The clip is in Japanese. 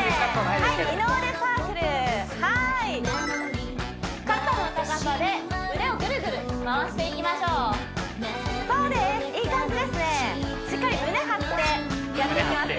はい二の腕サークルはい肩の高さで腕をぐるぐる回していきましょうそうですいい感じですねやっていきますよ